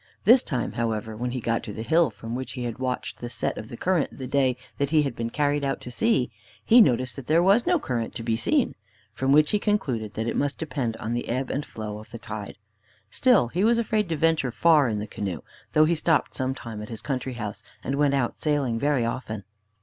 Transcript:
This time, however, when he got to the hill from which he had watched the set of the current the day that he had been carried out to sea, he noticed that there was no current to be seen, from which he concluded that it must depend on the ebb and flow of the tide. Still, he was afraid to venture far in the canoe, though he stopped some time at his country house, and went out sailing very often.